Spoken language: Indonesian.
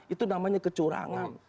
itu namanya kecurangan